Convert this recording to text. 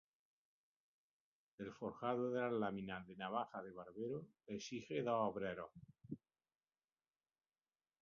El forjado de las láminas de navaja de barbero exige dos obreros.